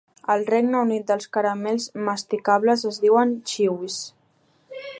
Al Regne Unit els caramels masticables es diuen "chews".